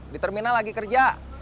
di terminal lagi kerja